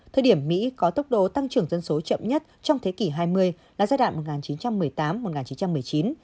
thời điểm mỹ có tốc độ tăng trưởng dân số chậm nhất trong thế kỷ hai mươi là giai đoạn một nghìn chín trăm một mươi tám một nghìn chín trăm một mươi chín